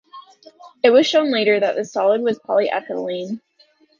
It was shown later that this solid was polyethylene.